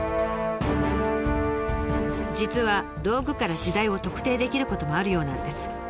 実は道具から時代を特定できることもあるようなんです。